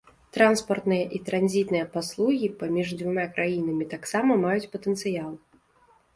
Транспартныя і транзітныя паслугі паміж дзвюма краінамі таксама маюць патэнцыял.